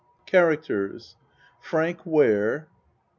CHARACTERS FRANK WARE.